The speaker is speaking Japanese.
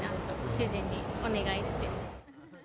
主人にお願いして。